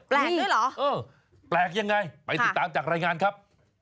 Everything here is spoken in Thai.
ด้วยเหรอเออแปลกยังไงไปติดตามจากรายงานครับ